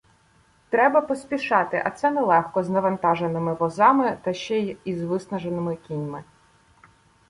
Треба поспішати, а це нелегко з навантаженими возами та ще й із виснаженими кіньми.